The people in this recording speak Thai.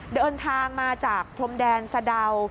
เดินทางมาจากพรมแดนสะดาว